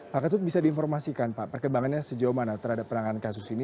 pak ketut bisa diinformasikan pak perkembangannya sejauh mana terhadap penanganan kasus ini